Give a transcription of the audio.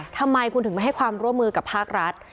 ทำไมคุณถึงไม่ให้ความร่วมมือกับภาครัฐ